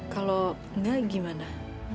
kalau enggak gimana